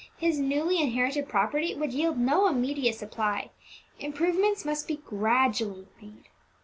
His newly inherited property would yield no immediate supply; improvements must be gradually made.